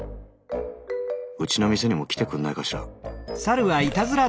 うちの店にも来てくんないかしら。